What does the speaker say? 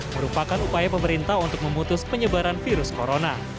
merupakan upaya pemerintah untuk memutus penyebaran virus corona